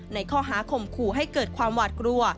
ในข้อหาข่มขู่ให้เกิดความหวาดกลัว